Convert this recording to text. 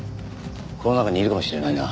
この中にいるかもしれないな。